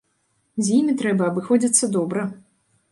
З імі трэба абыходзіцца добра.